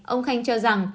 ông khanh cho rằng